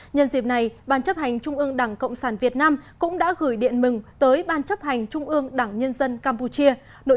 nhân dịp này ban chấp hành trung ương đảng cộng sản việt nam cũng đã gửi điện mừng tới ban chấp hành trung ương đảng nhân dân campuchia